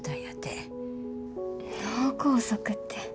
脳梗塞て。